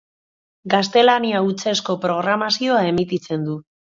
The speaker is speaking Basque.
Gaztelania hutsezko programazioa emititzen du.